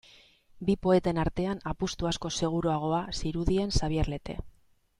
Bi poeten artean, apustu askoz seguruagoa zirudien Xabier Lete.